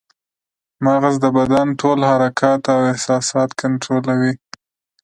مغز د بدن ټول حرکات او احساسات کنټرولوي